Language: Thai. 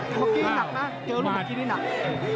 เมื่อกี้หนักนะเจอลูกเมื่อกี้นี่หนัก